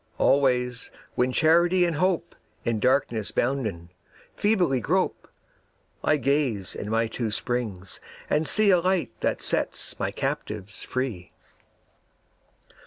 Always when Charity and Hope, In darkness bounden, feebly grope, I gaze in my two springs and see A Light that sets my captives free.